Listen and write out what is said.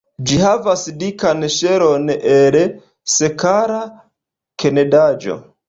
Ĝi havas dikan ŝelon el sekala knedaĵo.